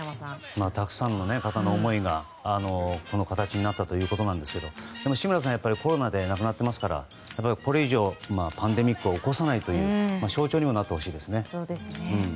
たくさんの方の思いがこの形になったということですが志村さん、コロナで亡くなっていますからこれ以上パンデミックを起こさないという象徴にもなってほしいですね。